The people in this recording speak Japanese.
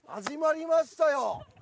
始まりましたよ！